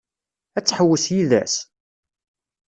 Ad tḥewwes yid-s?